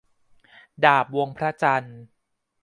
ดาบวงพระจันทร์